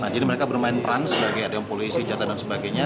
jadi mereka bermain peran sebagai polisi jasa dan sebagainya